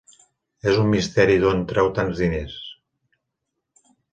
És un misteri d'on treu tants diners.